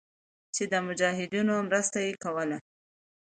چې د مجاهدينو مرسته ئې کوله.